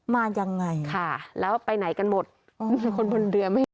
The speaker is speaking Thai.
มายังไงค่ะแล้วไปไหนกันหมดคนบนเรือไม่เห็น